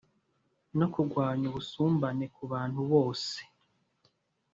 no kurwanya ubusumbane ku bantu bose.